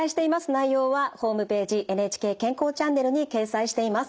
内容はホームページ「ＮＨＫ健康チャンネル」に掲載しています。